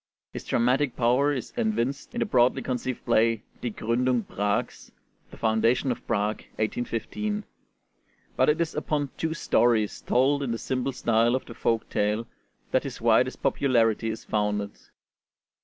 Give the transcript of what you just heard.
His dramatic power is evinced in the broadly conceived play 'Die Gründung Prags' (The Founding of Prague: 1815); but it is upon two stories, told in the simple style of the folk tale, that his widest popularity is founded.